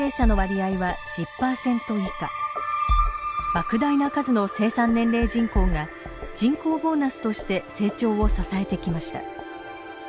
ばく大な数の生産年齢人口が人口ボーナスとして成長を支えてきました。